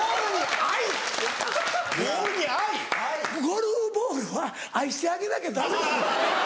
ゴルフボールは愛してあげなきゃダメなの。